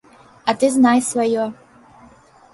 А ты знай сваё.